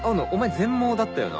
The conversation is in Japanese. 全盲だったよな？